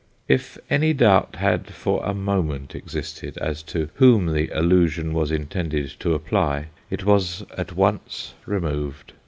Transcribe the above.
If any doubt had for a moment existed, as to whom the allusion was intended to apply, it was at once removed.